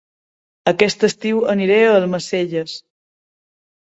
Aquest estiu aniré a Almacelles